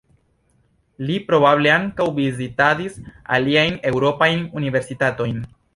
Li probable ankaŭ vizitadis aliajn eŭropajn universitatojn.